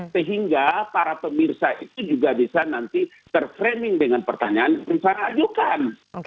sehingga para pemirsa itu juga bisa nanti ter framing dengan pertanyaan yang rifana ajukan